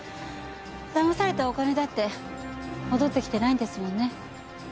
だまされたお金だって戻ってきてないんですもんね。